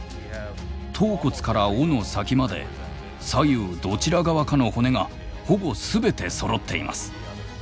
頭骨から尾の先まで左右どちら側かの骨がほぼ全てそろっています。